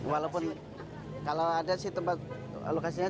walaupun kalau ada sih tempat alokasinya